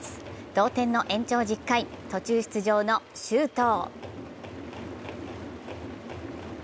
同点の延長１０回、途中出場の周東。